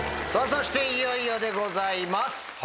そしていよいよでございます。